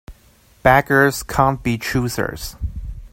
Beggars can't be choosers.